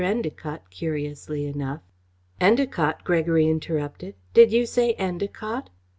Endacott, curiously enough " "Endacott!" Gregory interrupted. "Did you say Endacott?"